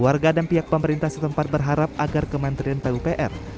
warga dan pihak pemerintah setempat berharap agar kementerian pupr